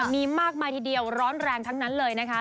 มีมากมายทีเดียวร้อนแรงทั้งนั้นเลยนะคะ